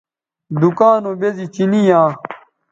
دکاں نو بیزی چینی یاں